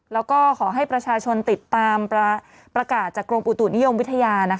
แล้วก็ขอให้ประชาชนติดตามประกาศจากกรมอุตุนิยมวิทยา